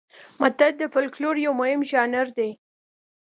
متل د فولکلور یو مهم ژانر دی